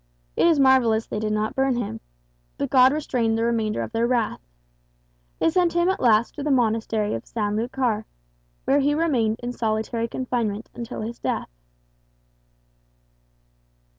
It is marvellous they did not burn him; but God restrained the remainder of their wrath. They sent him at last to the monastery of San Lucar, where he remained in solitary confinement until his death."